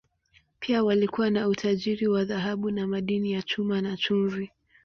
Pia walikuwa na utajiri wa dhahabu na madini ya chuma, na chumvi.